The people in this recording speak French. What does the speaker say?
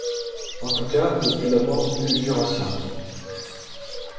En tout cas, depuis la mort du Jurassien